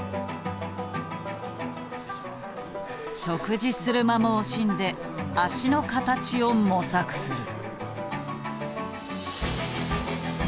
食事する間も惜しんで脚の形を模索する。